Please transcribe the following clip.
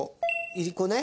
いりこね。